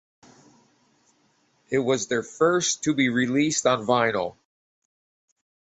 It was their first to be released on vinyl.